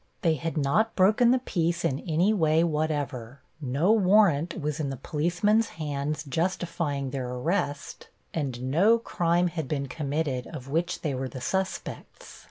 They had not broken the peace in any way whatever, no warrant was in the policemen's hands justifying their arrest, and no crime had been committed of which they were the suspects.